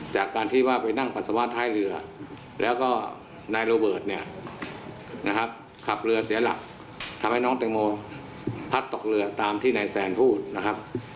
จากการที่ว่าไปนั่งปัสสาวะท้ายเรือแล้วก็นายโรเบิร์ตเนี่ยนะครับขับเรือเสียหลักทำให้น้องแตงโมพัดตกเรือตามที่นายแซนพูดนะครับ